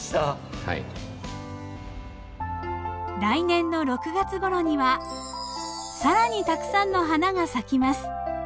来年の６月ごろには更にたくさんの花が咲きます。